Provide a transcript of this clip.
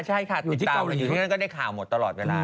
ใช่ค่ะอยู่ครั้งนั้นก็ได้ข่าวหมดตลอดเวลา